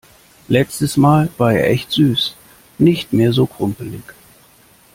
Letztes mal war er echt süß. Nicht mehr so krumpelig.